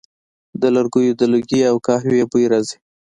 د لرګیو د لوګي او قهوې بوی راځي